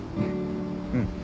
うん。